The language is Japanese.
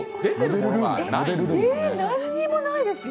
何もないですよ。